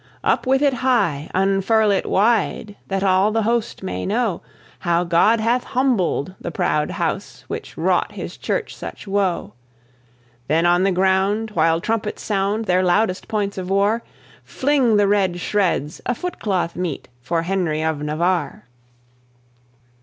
Up with it high; unfurl it wide; that all the host may know How God hath humbled the proud house which wrought His church such woe. Then on the ground, while trumpets sound their loudest points of war, Fling the red shreds, a footcloth meet for Henry of Navarre.